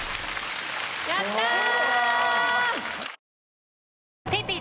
やったー！